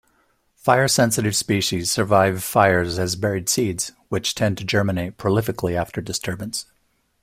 Fire-sensitive species survive fires as buried seeds, which tend to germinate prolifically after disturbance.